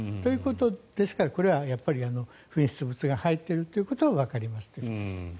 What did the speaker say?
ですから、これは噴出物が入っているということはわかりますということです。